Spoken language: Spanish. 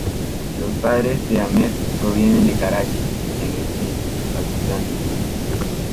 Los padres de Ahmed provienen de Karachi en el Sind, Pakistán.